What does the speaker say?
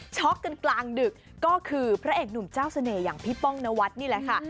กันกลางดึกก็คือพระเอกหนุ่มเจ้าเสน่ห์อย่างพี่ป้องนวัดนี่แหละค่ะ